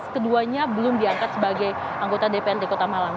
keduanya belum diangkat sebagai anggota dprd kota malang